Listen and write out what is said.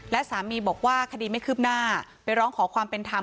และสามีบอกว่าคดีไม่คืบหน้าไปร้องขอความเป็นธรรม